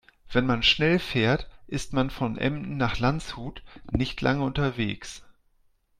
Wenn man schnell fährt, ist man von Emden nach Landshut nicht lange unterwegs